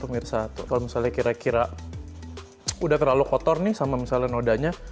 mirsa kalau misalnya kira kira udah terlalu kotor nih sama misalnya nodanya